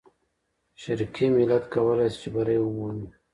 شرقي ملت کولای سي چې بری ومومي.